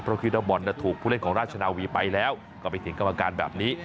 เพราะคือนักบอลถูกผู้เล่นของราชนาวีไปแล้วก็ไปถึงกรรมการแบบนี้